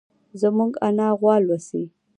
زموږ انا غوا لوسي.